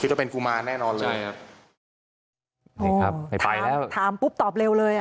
คือต้องเป็นกุมารแน่นอนเลยใช่ครับนี่ครับไปแล้วถามปุ๊บตอบเร็วเลยอ่ะ